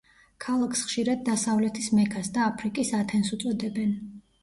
ქალაქს ხშირად დასავლეთის „მექას“ და აფრიკის „ათენს“ უწოდებენ.